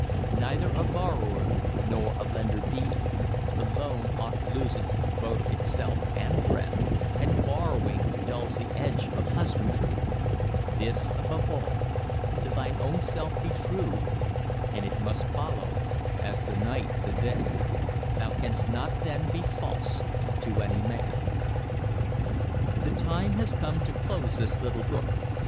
Neither a borrower nor a lender be; For loan oft loses both itself and friend, And borrowing dulls the edge of husbandry, This above all to thine ownself be true; And it must follow, as the night the day, Thou canst not then be false to any man. [Illustration: "Wedlock in Time" The Fairbanks' Family] The time has come to close this little book.